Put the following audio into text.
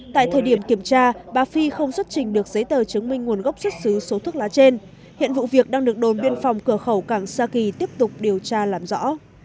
tại thời điểm kiểm tra bà phi không xuất trình được giấy tờ chứng minh nguồn gốc xuất xứ số thuốc lá trên hiện vụ việc đang được đồn biên phòng cửa khẩu cảng sa kỳ tiếp tục điều tra làm rõ